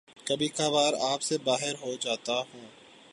کبھی کبھار آپے سے باہر ہو جاتا ہوں